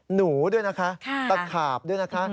หนูด้วยนะคะตะขาบด้วยนะคะ